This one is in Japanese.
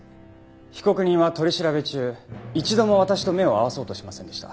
被告人は取り調べ中一度も私と目を合わそうとしませんでした。